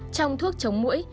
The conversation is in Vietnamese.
trong thuốc chống mũi